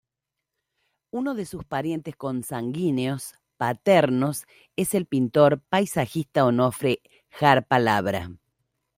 Uno de sus parientes consanguíneos paternos es el pintor paisajista Onofre Jarpa Labra.